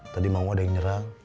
tadi mang uu ada yang nyerang